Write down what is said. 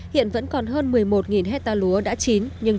hiện vẫn còn hơn một mươi một hectare lúa đã chín nhưng